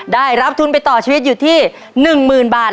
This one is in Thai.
ได้รับทุนไปต่อชีวิตอยู่ที่๑๐๐๐บาท